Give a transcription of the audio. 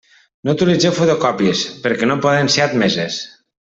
No utilitzeu fotocòpies, perquè no poden ser admeses.